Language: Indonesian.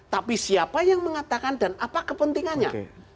tapi siapa yang mengatakan dan apa kepentingannya